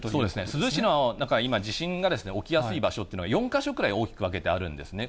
珠洲市の、だから今、地震が起きやすい場所というのが４か所ぐらい大きく分けてあるんですね。